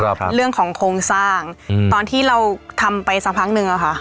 ครับเรื่องของโครงสร้างอืมตอนที่เราทำไปสักพักหนึ่งอ่ะค่ะ